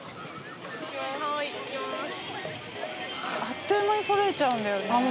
あっという間に揃えちゃうんだよねあっ